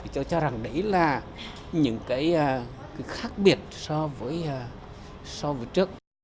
tôi cho rằng đấy là những cái khác biệt so với trước